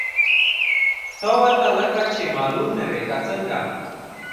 ته ورته لکه چې معلوم نه وې، که څنګه؟